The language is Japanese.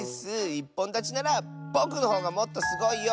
いっぽんだちならぼくのほうがもっとすごいよ。